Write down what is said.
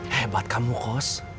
hebat kamu kos